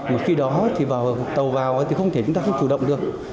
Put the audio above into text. mà khi đó thì vào tàu vào thì không thể chúng ta không chủ động được